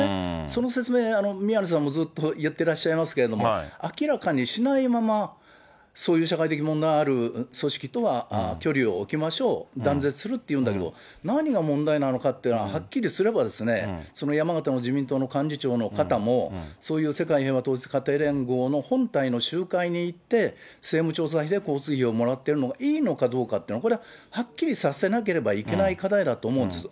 その説明、宮根さんもずっと言ってらっしゃいますけれども、明らかにしないままそういう社会的問題のある組織とは距離を置きましょう、断絶するっていうんだけど、何が問題なのかっていうのがはっきりすれば、その山形の自民党の幹事長の方もそういう世界平和統一家庭連合の本体の集会に行って、政務調査費で交通費をもらってるのがいいのかどうかって、これははっきりさせなければいけない課題だと思うんです。